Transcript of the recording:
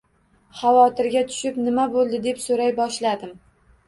Xavotirga tushib, nima bo`ldi, deb so`ray boshladim